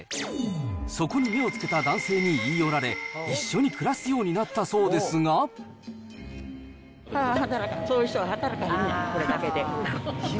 そこに目をつけた男性に言い寄られ、一緒に暮らすになったそうで働かん、そういう人は働かへん。